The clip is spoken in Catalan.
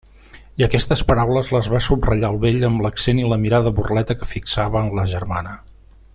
I aquestes paraules les va subratllar el vell amb l'accent i la mirada burleta que fixava en la germana.